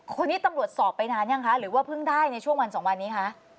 คนนี้ตำรวจสอบไปนานยังคะหรือว่าเพิ่งได้ในช่วงวันสองวันนี้คะ